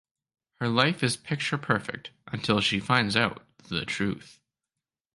Her life is picture perfect until she finds out the truth.